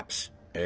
え？